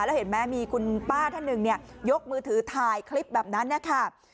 แล้วเห็นไหมมีคุณป้าท่านหนึ่งยกมือถือถ่ายคลิปแบบนั้นนะคะ